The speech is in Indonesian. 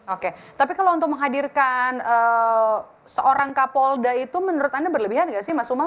oke tapi kalau untuk menghadirkan seorang kapolda itu menurut anda berlebihan nggak sih mas umam